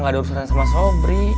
gak ada urusan sama sobri